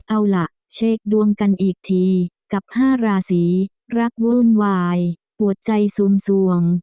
เอาล่ะเช็คดวงกันอีกทีกับ๕ราศีรักวุ่นวายปวดใจซูมส่วง